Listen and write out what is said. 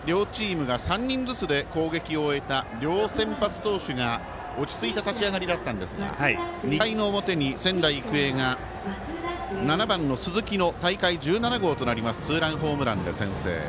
１回は両先発投手が落ち着いた立ち上がりだったんですが２回の表に仙台育英が７番の鈴木の大会１７号となりますツーランホームランで先制。